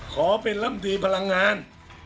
ขอเป็นลำตีพลังงาน